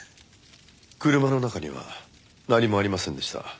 車の中には何もありませんでした。